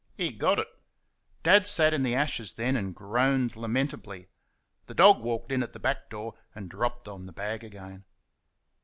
He got it. Dad sat in the ashes then, and groaned lamentably. The dog walked in at the back door and dropped on the bag again.